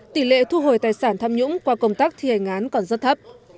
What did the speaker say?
tỷ lệ thu hồi tài sản tham nhũng qua công tác thi hành án còn rất thấp